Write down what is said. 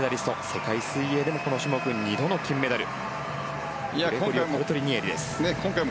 世界水泳でもこの種目２度の金メダル。